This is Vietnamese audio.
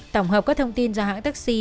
tổng hợp các thông tin do hãng taxi